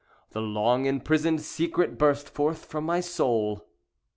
The long imprisoned secret burst forth from my soul.